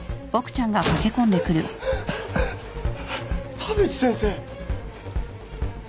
・田淵先生。